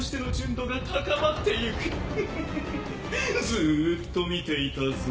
ずーっと見ていたぞ。